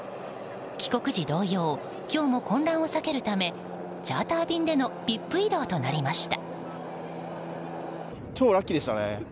帰国時同様今日も混乱を避けるためチャーター便でのＶＩＰ移動となりました。